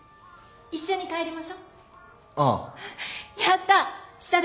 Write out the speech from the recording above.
一緒に帰りましょ。